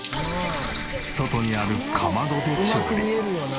外にあるかまどで調理。